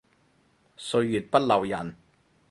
歲月不留人